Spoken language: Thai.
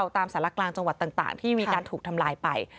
ตามสารกลางจังหวัดต่างที่มีการถูกทำลายไป